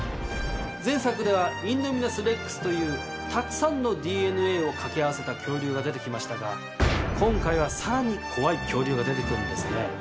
前作ではインドミナス・レックスというたくさんのＤＮＡを掛け合わせた恐竜が出て来ましたが今回はさらに怖い恐竜が出て来るんですね。